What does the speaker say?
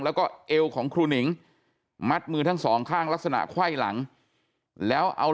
แล้วก็เอวของครูหนิงมัดมือทั้งสองข้างลักษณะไขว้หลังแล้วเอา